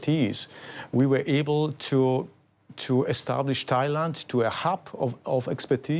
ที่สามารถคุมกันออกไป